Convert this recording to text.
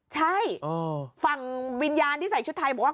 ใช่ฝั่งวิญญาณที่ใส่ชุดไทยบอกว่า